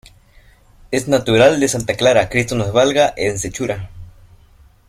Es natural de Santa Clara, Cristo Nos Valga, en Sechura.